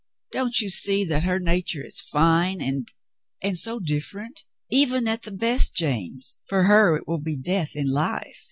Don't you see that her nature is fine and — and so dif ferent — even at the best, James, for her it will be death in life.